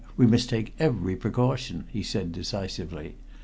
We must take every precaution," he said decisively.